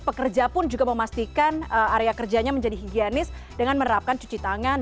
pekerja pun juga memastikan area kerjanya menjadi higienis dengan menerapkan cuci tangan